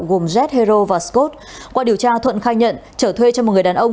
gồm jet hero và scott qua điều tra thuận khai nhận trở thuê cho một người đàn ông